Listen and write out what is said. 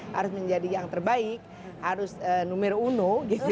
harus menjadi yang terbaik harus nomor uno